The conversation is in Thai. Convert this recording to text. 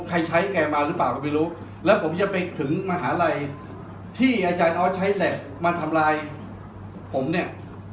ใครใช้แกมาหรือเปล่าก็ไม่รู้แล้วผมจะไปถึงมหาลัยที่อาจารย์ออสใช้แหละมาทำลายผมเนี่ย